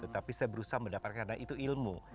tapi saya berusaha mendapatkan karena itu ilmu